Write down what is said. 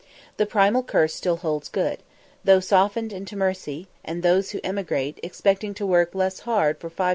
The primal curse still holds good, "though softened into mercy;" and those who emigrate, expecting to work less hard for 5_s.